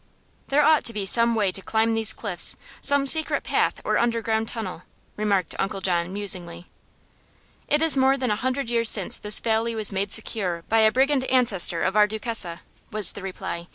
"There ought to be some way to climb these cliffs; some secret path or underground tunnel," remarked Uncle John, musingly. "It is more than a hundred years since this valley was made secure by a brigand ancestor of our Duchessa," was the reply.